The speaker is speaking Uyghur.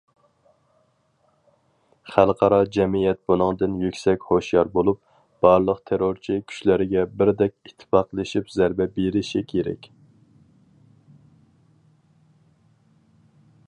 خەلقئارا جەمئىيەت بۇنىڭدىن يۈكسەك ھوشيار بولۇپ، بارلىق تېررورچى كۈچلەرگە بىردەك ئىتتىپاقلىشىپ زەربە بېرىشى كېرەك.